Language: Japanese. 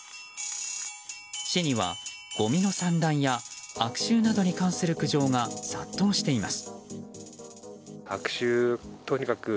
市には、ごみの散乱や悪臭などに関する苦情が殺到しています。